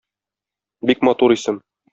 Бик матур исем.